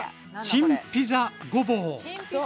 チンピザごぼう。